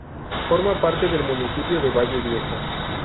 Forma parte del municipio de Valle Viejo.